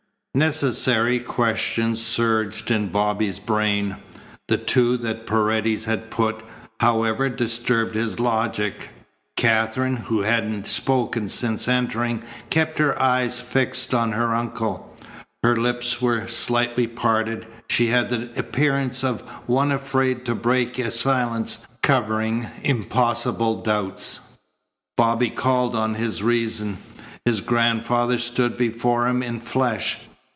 Necessary questions surged in Bobby's brain. The two that Paredes had put, however, disturbed his logic. Katherine, who hadn't spoken since entering, kept her eyes fixed on her uncle. Her lips were slightly parted. She had the appearance of one afraid to break a silence covering impossible doubts. Bobby called on his reason. His grandfather stood before him in flesh.